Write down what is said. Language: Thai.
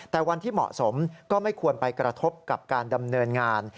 แต่วันที่เหมาะสมก็ไม่ควรไปกระทบกับการดำเนินงาน